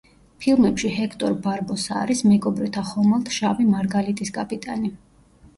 ფილმებში ჰექტორ ბარბოსა არის მეკობრეთა ხომალდ „შავი მარგალიტის“ კაპიტანი.